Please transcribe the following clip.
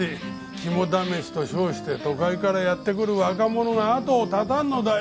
肝試しと称して都会からやってくる若者が後を絶たんのだよ。